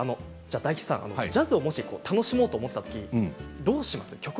大吉さん、ジャズをもし楽しもうと思ったときどうしますか。